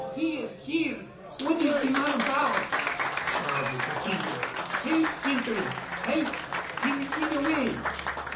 "Here! here! what is the man about?" shouted Patiño. "Help, sentry, help, he will get away!"